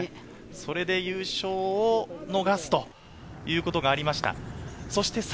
それで優勝を逃すことがありました。